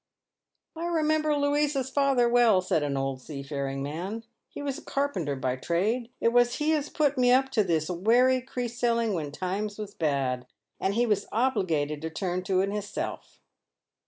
" I remember Louisa's father well," said an old seafaring man ;" he was a carpenter by trade. It was he as put me up to this werry crease selling when times was bad, and he was obligated to turn to it hisself."